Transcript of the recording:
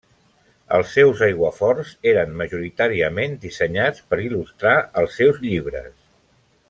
Els seus aiguaforts eren majoritàriament dissenyats per il·lustrar els seus llibres.